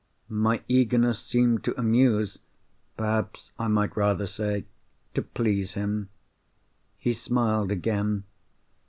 My eagerness seemed to amuse—perhaps, I might rather say, to please him. He smiled again.